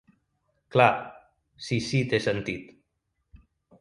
Clar, si si té sentit.